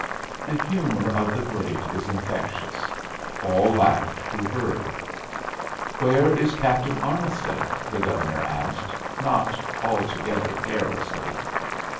'" The humor of the great is infectious; all laughed who heard. "Where is Captain Armisted?" the Governor asked, not altogether carelessly.